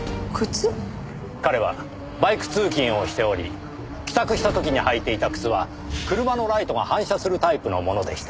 彼はバイク通勤をしており帰宅した時に履いていた靴は車のライトが反射するタイプのものでした。